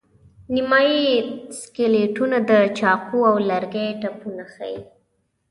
نیمایي سکلیټونه د چاقو او لرګي ټپونه ښيي.